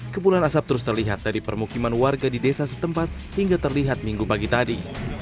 kepulan asap terus terlihat dari permukiman warga di desa setempat hingga terlihat minggu pagi tadi